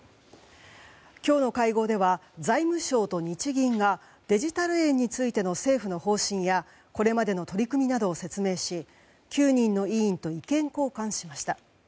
今日の会合では、財務省と日銀がデジタル円についての政府の方針やこれまでの取り組みなどを説明し９人の委員と意見交換しました。